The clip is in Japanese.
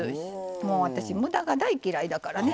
もう私無駄が大嫌いだからね。